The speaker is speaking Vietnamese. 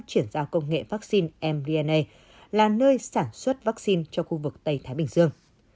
chuyển giao công nghệ vaccine mbna là nơi sản xuất vaccine cho khu vực tây thái bình dương